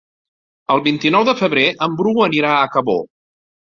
El vint-i-nou de febrer en Bru anirà a Cabó.